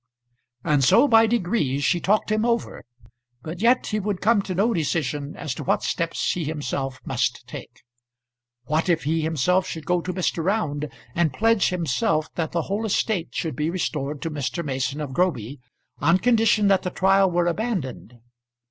And so by degrees she talked him over; but yet he would come to no decision as to what steps he himself must take. What if he himself should go to Mr. Round, and pledge himself that the whole estate should be restored to Mr. Mason of Groby, on condition that the trial were abandoned?